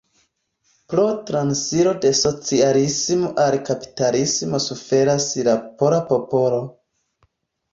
Pro transiro de socialismo al kapitalismo suferas la pola popolo.